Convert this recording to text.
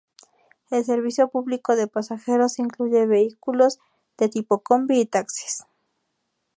El servicio público de pasajeros incluye vehículos de tipo combi y taxis.